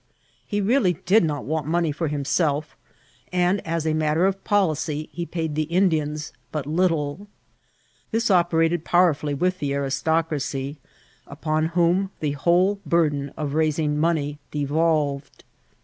He really did not want money for himself, and as a matter of policy he paid the Indians but little* This operated powerfully with the aristocracy, upon whom the whole burden of raising money devolyed.